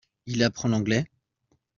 Il apprend l'anglais ?